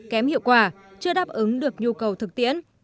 kém hiệu quả chưa đáp ứng được nhu cầu thực tiễn